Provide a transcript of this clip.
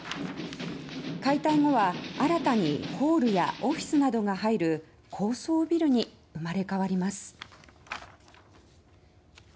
解体後は新たにホールやオフィスなどが入る高層ビルに生まれ変わります。